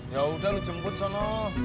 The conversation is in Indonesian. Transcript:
yaudah lu jemput sana